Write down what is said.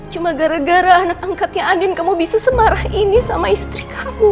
cuma gara gara anak angkatnya adin kamu bisa semarah ini sama istri kamu